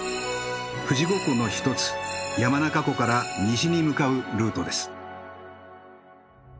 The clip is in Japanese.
富士五湖の一つ山中湖から西に向かうルートです。